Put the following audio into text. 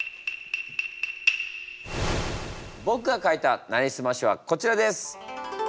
僕が書いた「なりすまし」はこちらです。